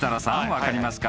分かりますか？］